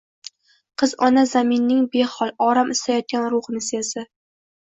Qiz ona zaminning behol, orom istayotgan ruhini sezdi